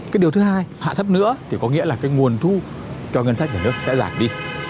cái điều thứ hai hạ thấp nữa thì có nghĩa là cái nguồn thu cho ngân sách nhà nước sẽ giảm đi